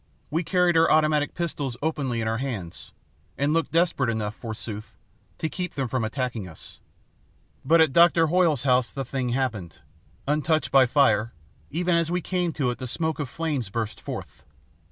We carried our automatic pistols openly in our hands, and looked desperate enough, forsooth, to keep them from attacking us. But at Doctor Hoyle's house the thing happened. Untouched by fire, even as we came to it the smoke of flames burst forth.